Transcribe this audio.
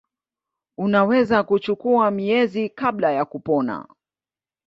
Unaweza kuchukua miezi kabla ya kupona.